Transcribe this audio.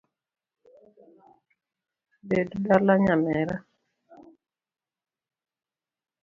Bed dala nyamera